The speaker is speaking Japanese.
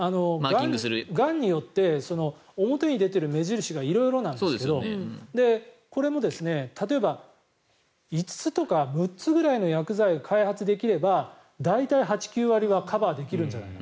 がんによって表に出ている目印が色々なんですけどこれも例えば５つとか６つぐらいの薬剤を開発できれば大体８９割はカバーできるんじゃないかと。